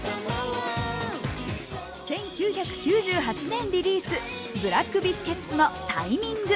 １９９８年リリース、ブラックビスケッツの「タイミング」。